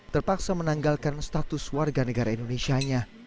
terpaksa menanggalkan status warga negara indonesia nya